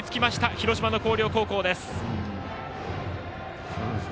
広島の広陵高校です。